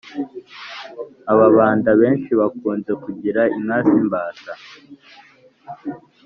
ababanda benshi bakunze kugira inka z'imbata